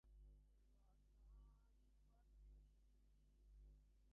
His maternal grandfather was of half English and half Indian descent.